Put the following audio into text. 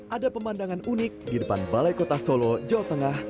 ada pemandangan unik di depan balai kota solo jawa tengah